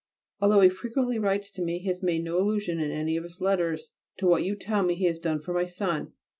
Although he frequently writes to me he has made no allusion in any of his letters to what you tell me he has done for my son.